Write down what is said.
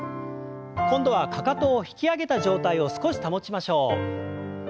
今度はかかとを引き上げた状態を少し保ちましょう。